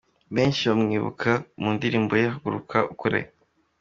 Benshi bamwibuka mu ndirimbo ye Haguruka ukore.